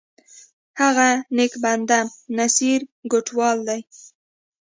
هغه نیک بنده، نصیر کوټوال دی!